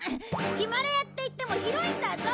ヒマラヤっていっても広いんだぞ！